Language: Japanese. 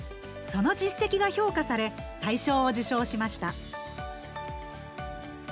その実績が評価され大賞を受賞しました。